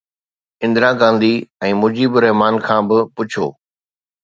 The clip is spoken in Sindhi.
اندرا گانڌي ۽ مجيب الرحمان کان به پڇو